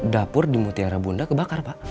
dapur di mutiara bunda kebakar pak